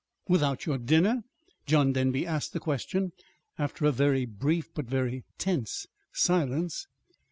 "Without your dinner?" John Denby asked the question after a very brief, but very tense, silence.